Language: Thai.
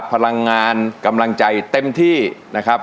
พลังงานกำลังใจเต็มที่นะครับ